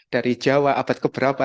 dari jawa abad ke berapa